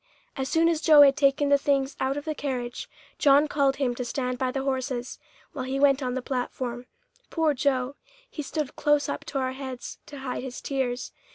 As soon as Joe had taken the things out of the carriage, John called him to stand by the horses, while he went on the platform. Poor Joe! He stood close up to our heads to hide his tears.